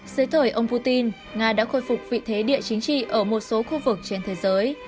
dưới thời ông putin nga đã khôi phục vị thế địa chính trị ở một số khu vực trên thế giới